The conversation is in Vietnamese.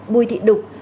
bùi thị đục